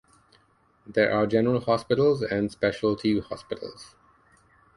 There are general hospitals and specialty hospitals.